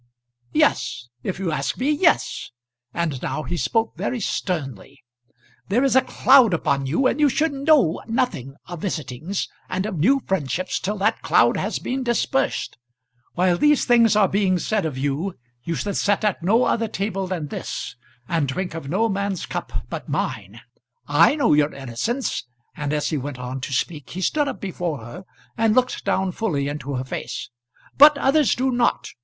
"Yes; if you ask me yes;" and now he spoke very sternly. "There is a cloud upon you, and you should know nothing of visitings and of new friendships till that cloud has been dispersed. While these things are being said of you, you should set at no other table than this, and drink of no man's cup but mine. I know your innocence," and as he went on to speak, he stood up before her and looked down fully into her face, "but others do not.